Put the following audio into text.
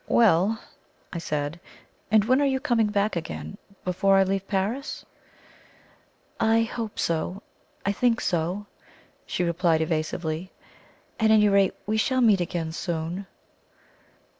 "Well," I said, "and when are you coming back again? Before I leave Paris?" "I hope so I think so," she replied evasively; "at any rate, we shall meet again soon."